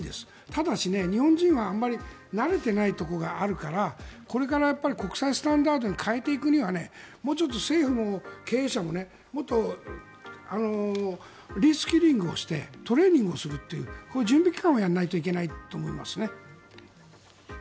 ただし、日本人はあまり慣れてないところがあるからこれから国際スタンダードに変えていくにはもうちょっと政府も経営者ももっとリスキリングをしてトレーニングをするというこういう準備期間をやらないといけないと思いますね。